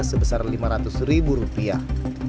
sebesar lima ratus ribu rupiah